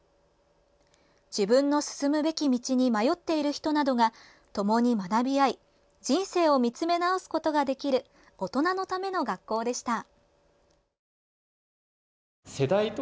自分の進むべき道に迷っている人などがともに学び合い人生を見つめ直すことができる大人のための学校でした。